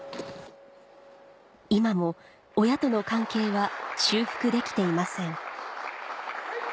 今も親との関係は修復できていません